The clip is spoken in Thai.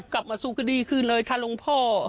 กลับมาสู้กระดีก์ขึ้นเลยท่านลงพ่อ